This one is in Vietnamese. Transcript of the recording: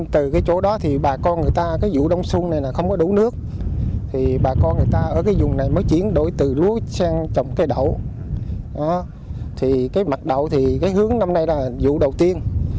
thì cái mặt đậu thì cái hướng năm nay là vụ đầu tiên